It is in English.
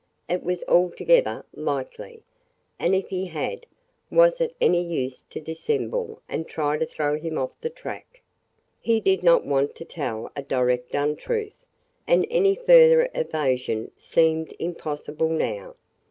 It was altogether likely. And if he had, was it any use to dissemble and try to throw him off the track? He did not want to tell a direct untruth, and any further evasion seemed impossible now.